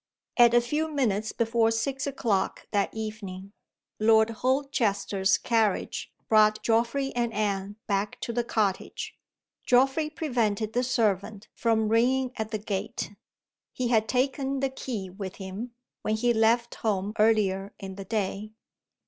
AT a few minutes before six o'clock that evening, Lord Holchester's carriage brought Geoffrey and Anne back to the cottage. Geoffrey prevented the servant from ringing at the gate. He had taken the key with him, when he left home earlier in the day.